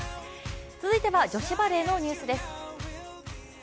続いては女子バレーのニュースです。